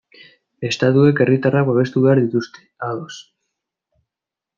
Estatuek herritarrak babestu behar dituzte, ados.